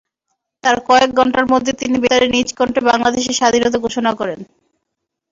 তার কয়েক ঘণ্টার মধ্যে তিনি বেতারে নিজ কণ্ঠে বাংলাদেশের স্বাধীনতা ঘোষণা করেন।